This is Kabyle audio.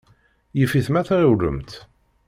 Yif-it ma tɣiwlemt.